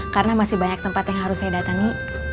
karena masih banyak tempat yang harus saya datangi